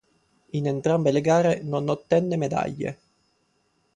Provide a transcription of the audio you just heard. In entrambe le gare non ottenne medaglie.